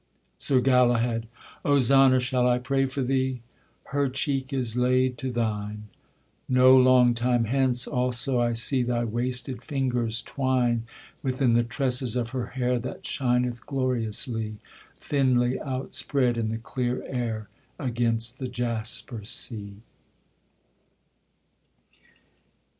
SIR GALAHAD. Ozana, shall I pray for thee? Her cheek is laid to thine; No long time hence, also I see Thy wasted fingers twine Within the tresses of her hair That shineth gloriously, Thinly outspread in the clear air Against the jasper sea.